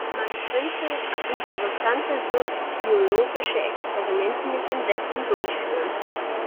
Man könnte interessante soziologische Experimente mit den Sätzen durchführen.